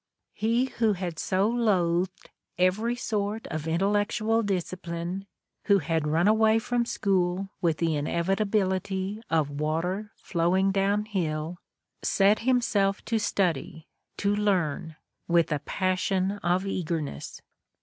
He who had so loathed every sort of intellectual discipline, who had run away from school with the inevitability of water flowing down hill, set himself to study, to learn, with a passion of eagerness.